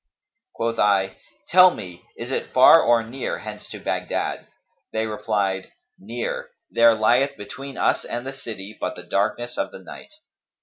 Quoth I, 'Tell me, is it far or near, hence to Baghdad?' They replied, 'Near: there lieth between us and the city but the darkness of the night.'